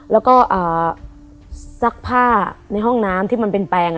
แล้วก็ซักผ้าในห้องน้ำที่มันเป็นแปลง